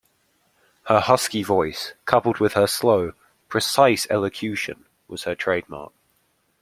Her husky voice, coupled with her slow, precise elocution, was her trademark.